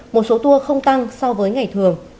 một số tour không tăng so với ngày thường